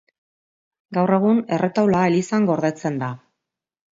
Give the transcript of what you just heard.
Gaur egun erretaula elizan gordetzen da.